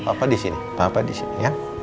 papa disini papa disini ya